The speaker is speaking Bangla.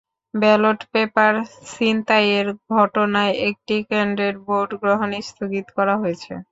ব্যালট পেপার ছিনতাইয়ের ঘটনায় একটি কেন্দ্রের ভোট গ্রহণ স্থগিত করা হয়েছে।